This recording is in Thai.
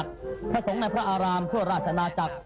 แดนภาคร้าง